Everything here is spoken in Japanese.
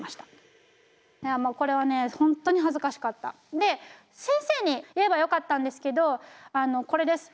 で先生に言えばよかったんですけどこれです。